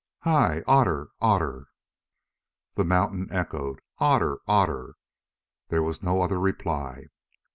Hi! Otter, Otter!" The mountains echoed "Otter, Otter;" there was no other reply.